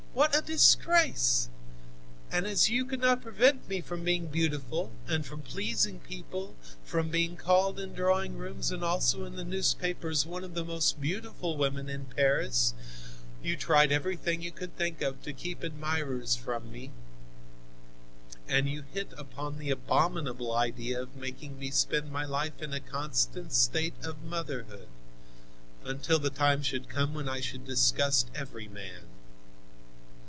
What a disgrace! And as you could not prevent me from being beautiful and from pleasing people, from being called in drawing rooms and also in the newspapers one of the most beautiful women in Paris, you tried everything you could think of to keep admirers from me, and you hit upon the abominable idea of making me spend my life in a constant state of motherhood, until the time should come when I should disgust every man.